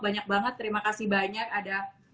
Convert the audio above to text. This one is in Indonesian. banyak banget terima kasih banyak ada